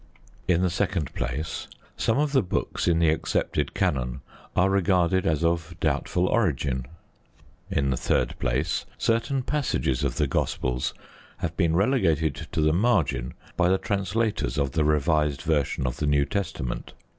In the second place, some of the books in the accepted canon are regarded as of doubtful origin. In the third place, certain passages of the Gospels have been relegated to the margin by the translators of the Revised Version of the New Testament.